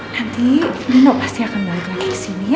nanti nino pasti akan balik lagi kesini ya